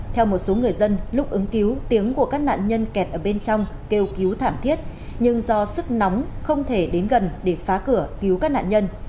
theo một số người dân lúc ứng cứu tiếng của các nạn nhân kẹt ở bên trong kêu cứu thảm thiết nhưng do sức nóng không thể đến gần để phá cửa cứu các nạn nhân